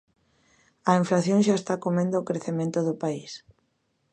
A inflación xa está comendo o crecemento do país.